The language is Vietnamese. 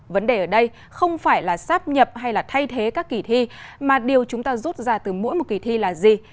vấn đề ở đây không phải là sắp nhập hay là thay thế các kỳ thi mà điều chúng ta rút ra từ mỗi một kỳ thi là gì